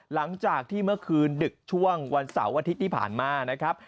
หลังจากที่เมื่อคืนดึกช่วงวันเสาร์อาทิตย์ที่ผ่านมานะครับ